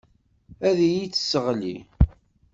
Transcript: Ad iyi-tesseɣli.